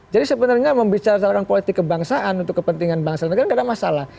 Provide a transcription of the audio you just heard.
jadi sebenarnya membicarakan politik kebangsaan untuk kepentingan bangsa negara tidak ada masalah